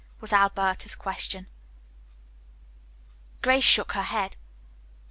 was Alberta's question. Grace shook her head.